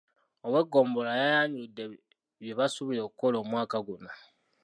Ow’eggombolola yayanjudde bye basuubira okukola omwaka guno.